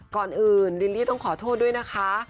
ก่อนอื่นลิลลี่ต้องขอโทษด้วยนะคะ